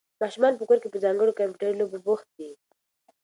ماشومان په کور کې په ځانګړو کمپیوټري لوبو بوخت دي.